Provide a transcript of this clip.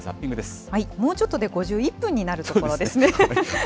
もうちょっとで５１分になるところですね。